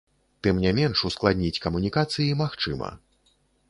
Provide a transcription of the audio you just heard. Тым не менш, ускладніць камунікацыі магчыма.